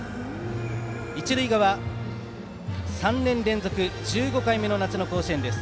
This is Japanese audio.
一塁側、３年連続１５回目の夏の甲子園です。